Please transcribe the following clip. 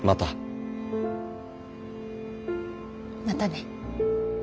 またね。